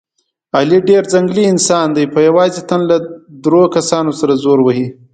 علي ډېر ځنګلي انسان دی، په یوازې تن له دور کسانو سره زور وهي.